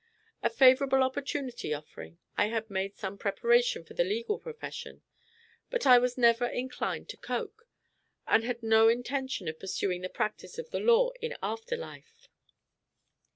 A favorable opportunity offering I had made some preparation for the legal profession; but I was never inclined to Coke, and had no intention of pursuing the practice of the law in after life.